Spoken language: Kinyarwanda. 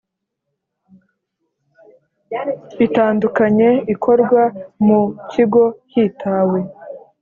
Itandukanye ikorwa mu kigo hitawe